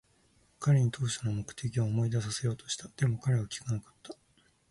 彼に当初の目的を思い出させようとした。でも、彼は聞かなかった。